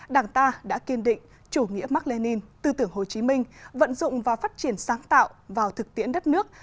đảng ta đã kiên định chủ nghĩa mạc lê ninh tư tưởng hồ chí minh vận dụng và phát triển sáng tạo vào thực tiễn đất nước